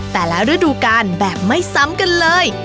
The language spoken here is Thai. แต่ละฤดูการแบบไม่ซ้ำกันเลย